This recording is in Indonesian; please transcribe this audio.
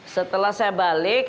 setelah saya balik